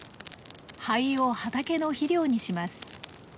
灰を畑の肥料にします。